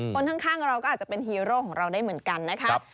คนข้างเราก็อาจจะเป็นฮีโร่ของเราได้เหมือนกันนะครับ